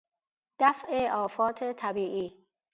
دفع آفات طبیعی